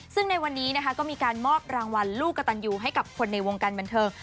ซึ่งในวันนี้นะคะก็มีการมอบรางวัลลูกกระตันยูให้กับคนในวงการบันเทิง